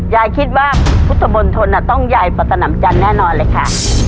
ยายคิดว่าพุทธมนต์ธนต้องยายประตนำจันทร์แน่นอนเลยค่ะ